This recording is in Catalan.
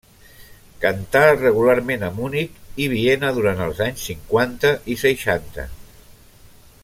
Cantà regularment a Munic i Viena durant els anys cinquanta i seixanta.